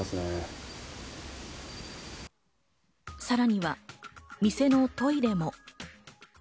さらには店のトイレも。